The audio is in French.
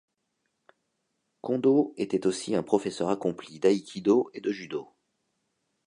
Kondo était aussi un professeur accompli d'aïkido et de judo.